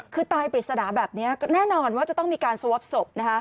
คือตายปริศนาแบบนี้แน่นอนว่าจะต้องมีการสวอปศพ